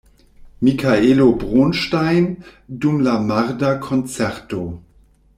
Mikaelo Bronŝtejn dum la marda koncerto.